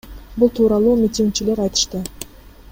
Бул тууралуу митигчилер айтышты.